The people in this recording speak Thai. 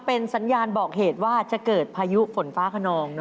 เป็นสัญญาณบอกเหตุว่าจะเกิดพายุฝนฟ้าขนอง